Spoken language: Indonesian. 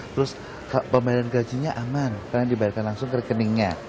terus pembayaran gajinya aman karena dibayarkan langsung ke rekeningnya